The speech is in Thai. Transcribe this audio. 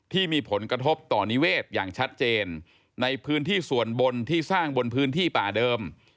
ที่มีผลกระทบต่อนิเวศอย่างชัดเจนในพื้นที่ส่วนบนที่สร้างบนพื้นที่ป่าเดิม